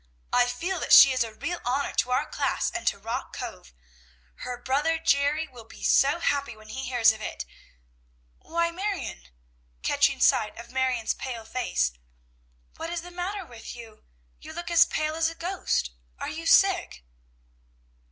I feel that she is a real honor to our class and to Rock Cove! Her brother Jerry will be so happy when he hears of it." "Why, Marion!" catching sight of Marion's pale face, "what is the matter with you? You look as pale as a ghost. Are you sick?"